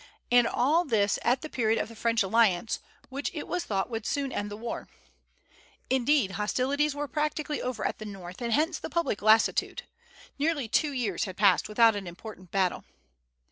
And all this at the period of the French alliance, which it was thought would soon end the war. Indeed, hostilities were practically over at the North, and hence the public lassitude. Nearly two years had passed without an important battle.